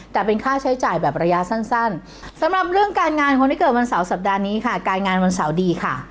แต่เป็นค่าใช้จ่ายแบบระยะสั้นสำหรับเรื่องการงานคนที่เกิดวันเสาร์สัปดาห์นี้ค่ะการงานวันเสาร์ดีค่ะ